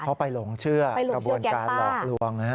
เขาไปหลงเชื่อกระบวนการหลอกลวงนะฮะ